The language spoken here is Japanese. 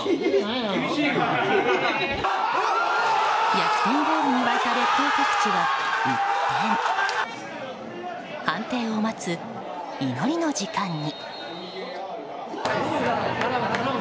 逆転ゴールに沸いた列島各地は一転判定を待つ祈りの時間に。